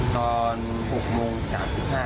ตอน๖โมง๓๕